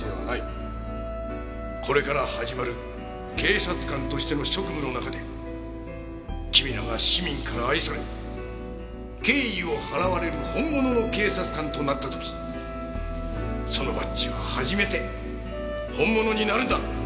これから始まる警察官としての職務の中で君らが市民から愛され敬意を払われる本物の警察官となった時そのバッジは初めて本物になるんだ。